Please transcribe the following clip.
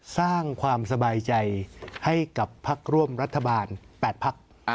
สร้างความสบายใจให้กับพักร่วมรัฐบาล๘พัก